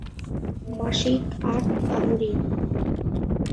মাসিক আত-তাহরীক